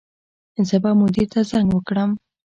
زه به مدیر ته زنګ وکړم